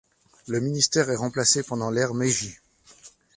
Le ministère est remplacé pendant l'ère Meiji.